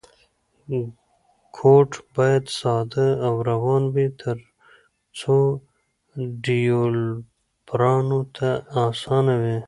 کوډ باید ساده او روان وي ترڅو ډیولپرانو ته اسانه وي.